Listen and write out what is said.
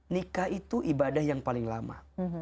nikah itu ibadah yang paling lama